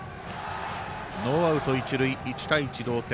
ノーアウト、一塁、１対１同点。